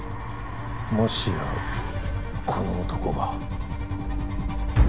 もしやこの男が？